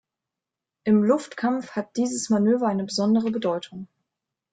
Im Luftkampf hat dieses Manöver eine besondere Bedeutung.